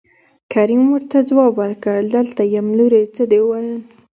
کريم ورته ځواب ورکړ دلته يم لورې څه دې وويل.